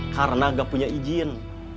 karena gak punya izin